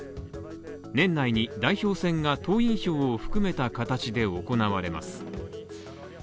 年内に代表選が党員票を含めた形で行われます。